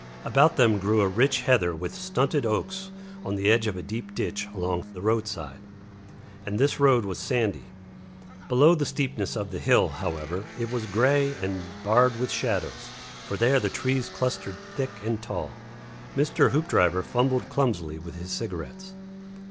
About them grew a rich heather with stunted oaks on the edge of a deep ditch along the roadside, and this road was sandy; below the steepness of the hill, however, it was grey and barred with shadows, for there the trees clustered thick and tall. Mr. Hoopdriver fumbled clumsily with his cigarettes.